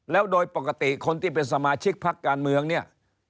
แล้วโดยปกติคนที่เป็นสมาชิกพักการเมืองเนี่ย